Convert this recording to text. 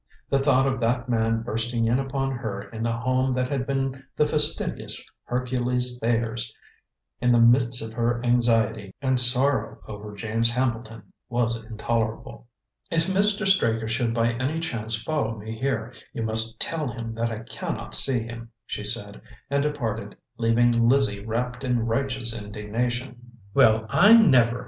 The thought of that man bursting in upon her in the home that had been the fastidious Hercules Thayer's, in the midst of her anxiety and sorrow over James Hambleton, was intolerable. "If Mr. Straker should by any chance follow me here, you must tell him that I can not see him," she said, and departed, leaving Lizzie wrapped in righteous indignation. "Well, I never!"